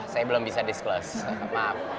oh saya belum bisa disclose maaf